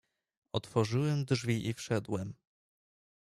"Otworzyłem drzwi i wszedłem."